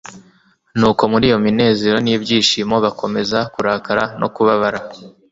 Nuko muri iyo minezero n' ibyishimo bakomeza kurakara no kubabara.